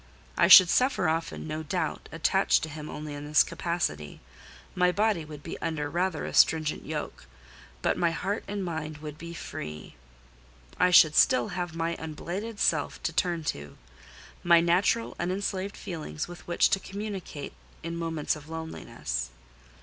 I should suffer often, no doubt, attached to him only in this capacity: my body would be under rather a stringent yoke, but my heart and mind would be free. I should still have my unblighted self to turn to: my natural unenslaved feelings with which to communicate in moments of loneliness.